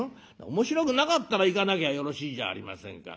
「面白くなかったら行かなきゃよろしいじゃありませんか」。